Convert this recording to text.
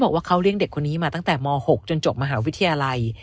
บอกว่าเขาเลี้ยงเด็กคนนี้มาตั้งแต่ม๖จนจบมหาวิทยาลัย